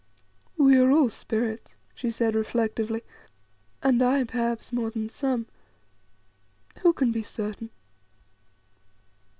"We are all spirits," she said reflectively, "and I, perhaps, more than some. Who can be certain?"